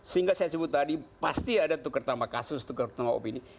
sehingga saya sebut tadi pasti ada tukar tambah kasus tukar tambah opini